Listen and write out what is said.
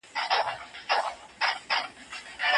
زوی له پلار سره جنجال نه کاوه.